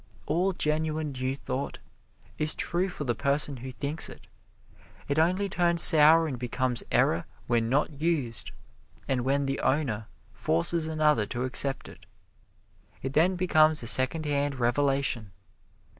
All genuine New Thought is true for the person who thinks it. It only turns sour and becomes error when not used, and when the owner forces another to accept it. It then becomes a secondhand revelation.